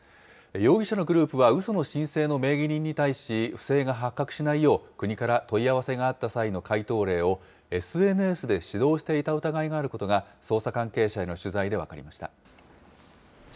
容疑者のグループは、うその申請の名義人に対し、不正が発覚しないよう、国から問い合わせがあった際の回答例を、ＳＮＳで指導していた疑いがあることが、捜査関係者への取材で分かりました。